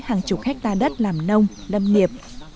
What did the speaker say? hàng chục hectare đất làm nông đâm nghiệp